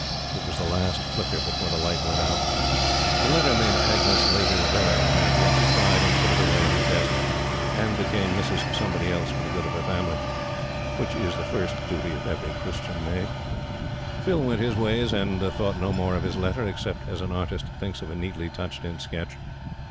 It was the last flicker before the light went out. That letter made Agnes Laiter very unhappy, and she cried and put it away in her desk, and became Mrs. Somebody Else for the good of her family. Which is the first duty of every Christian maid. Phil went his ways, and thought no more of his letter, except as an artist thinks of a neatly touched in sketch.